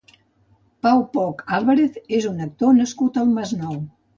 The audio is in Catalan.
Pau Poch Álvarez és un actor nascut al Masnou.